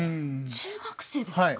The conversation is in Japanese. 中学生ですか？